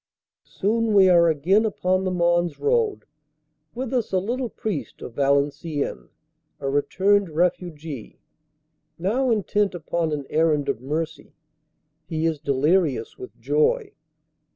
Soon we are again upon the Mons Road, with us a little priest of Valenciennes, a returned refugee, now intent upon an errand of mercy. He is delirious with joy.